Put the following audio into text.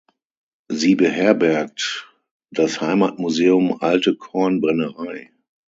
Sie beherbergt das Heimatmuseum „Alte Kornbrennerei“.